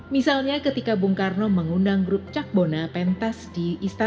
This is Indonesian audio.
misalnya ketika bung karno mengundang grup cakbona pentas di istana